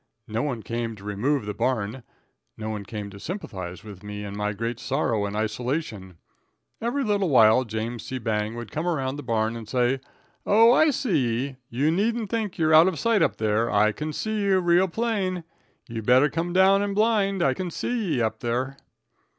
No one came to remove the barn. No one came to sympathize with me in my great sorrow and isolation. Every little while James C. Bang would come around the corner and say: "Oh, I see ye. You needn't think you're out of sight up there. I can see you real plain. You better come down and blind. I can see ye up there!"